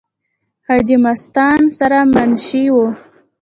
حاجې مستعان سره منشي وو ۔